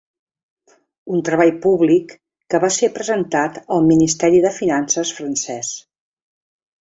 Un treball públic, que va ser presentat al Ministeri de Finances francès.